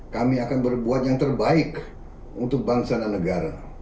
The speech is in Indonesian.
kami akan berbuat yang terbaik untuk bangsa dan negara